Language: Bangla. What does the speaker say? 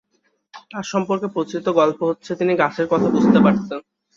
তাঁর সম্পর্কে প্রচলিত গল্প হচ্ছে-তিনি গাছের কথা বুঝতে পারতেন।